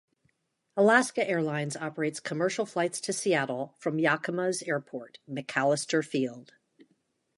Alaska Airlines operates commercial flights to Seattle from Yakima's airport, McAllister Field.